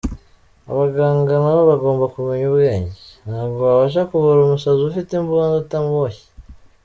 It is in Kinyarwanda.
Abaganga nabo bagomba kumenya ubwenge, ntabwo wabasha kuvura umusazi ufite imbunda utamuboshye.